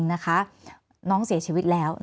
แอนตาซินเยลโรคกระเพาะอาหารท้องอืดจุกเสียดแสบร้อน